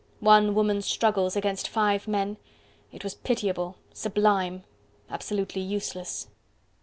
One woman's struggles, against five men! It was pitiable, sublime, absolutely useless.